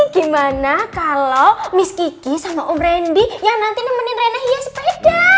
gimana kalo miss kiki sama om rendy yang nanti nemenin reina ia sepeda